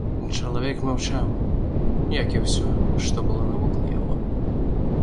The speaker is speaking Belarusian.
Чалавек маўчаў, як і ўсё, што было навокал яго.